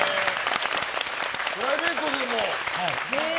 プライベートでも。